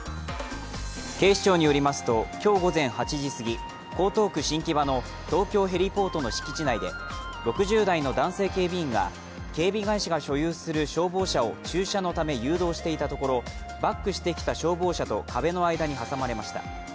警視庁によりますと今日午前８時すぎ、江東区新木場の東京ヘリポートの敷地内で６０代の男性警備員が警備会社が所有する消防車を駐車のため誘導していたところバックしてきた消防車と壁の間に挟まれました。